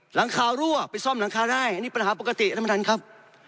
หลังคารั่วไปซ่อมหลังคาได้อันนี้ปัญหาปกติท่านประธานครับ